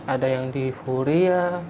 ada yang di furia